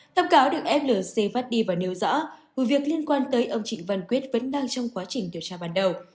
thông cáo được flc phát đi và nêu rõ vụ việc liên quan tới ông trịnh văn quyết vẫn đang trong quá trình điều tra ban đầu